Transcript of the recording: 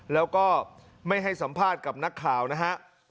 แล้วก็ไม่ให้สัมภาษณ์กับนักข่าวนะฮะ